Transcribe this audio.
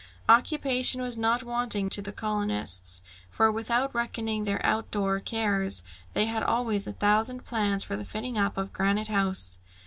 Occupation was not wanting to the colonists, for without reckoning their out door cares, they had always a thousand plans for the fitting up of Granite House.